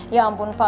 ya ampun fah